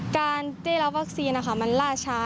การได้รับวัคซีนมันล่าช้า